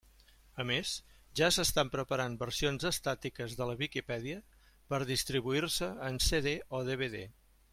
A més, ja s'estan preparant versions estàtiques de la Viquipèdia per distribuir-se en CD o DVD.